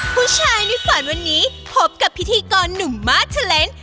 ผู้ชายในฝันวันนี้พบกับพิธีกรหนุ่มมาร์เทอร์เลนส์